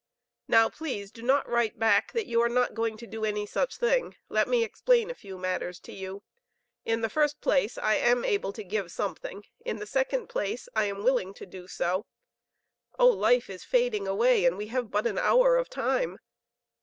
Now, please do not write back that you are not going to do any such thing. Let me explain a few matters to you. In the first place, I am able to give something. In the second place, I am willing to do so.... Oh, life is fading away, and we have but an hour of time!